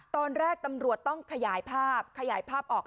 ตอนแรกตำรวจต้องขยายภาพขยายภาพออก